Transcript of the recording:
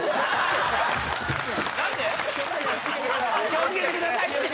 気をつけてくださいって。